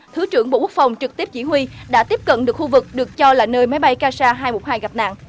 thứ trưởng bộ quốc phòng trực tiếp chỉ huy đã tiếp cận được khu vực được cho là nơi máy bay kasa hai trăm một mươi hai gặp nạn